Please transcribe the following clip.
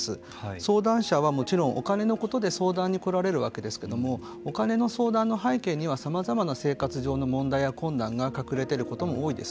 相談者はもちろんお金のことで相談に来られるわけですけれどもお金の相談の背景にはさまざまな生活上の問題や困難が隠れていることも多いです。